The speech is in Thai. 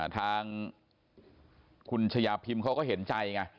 ทางคุณชายาพิมเขาก็เห็นใจไง